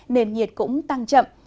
nền nhiệt cũng tăng chậm